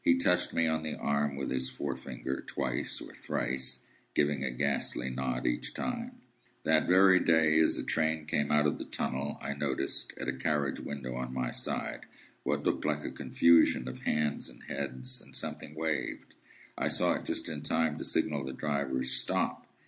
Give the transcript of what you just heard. He touched me on the arm with his forefinger twice or thrice giving a ghastly nod each time:— "That very day, as a train came out of the tunnel, I noticed, at a carriage window on my side, what looked like a confusion of hands and heads, and something waved. I saw it just in time to signal the driver, Stop!